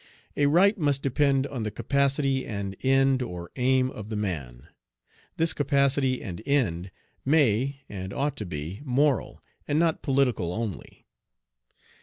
A right must depend on the capacity and end or aim of the man. This capacity and end may, and ought to be, moral, and not political only.